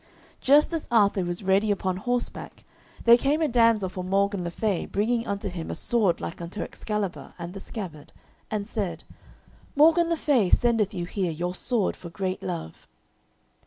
Just as Arthur was ready upon horseback, there came a damsel from Morgan le Fay bringing unto him a sword like unto Excalibur, and the scabbard, and said: "Morgan le Fay sendeth you here your sword for great love."